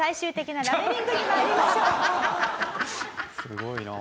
すごいな。